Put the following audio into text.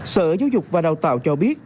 sở giáo dục và đào tạo cho biết